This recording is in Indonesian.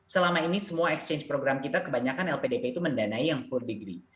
selama ini semua exchange program kita kebanyakan lpdp itu mendanai yang full degree